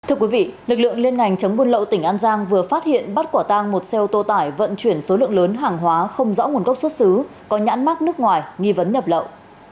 thưa quý vị lực lượng liên ngành chống buôn lậu tỉnh an giang vừa phát hiện bắt quả tang một xe ô tô tải vận chuyển số lượng lớn hàng hóa không rõ nguồn gốc xuất xứ có nhãn mát nước ngoài nghi vấn nhập lậu